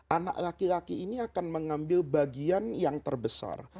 anak laki laki ini akan mengambil bagian yang terbesar